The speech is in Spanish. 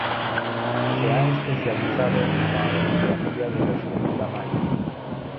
Se ha especializado en la epigrafía de la escritura maya.